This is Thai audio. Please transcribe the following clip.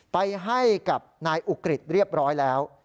ไปให้กับนายอุกฤษเรียบร้อยแล้ว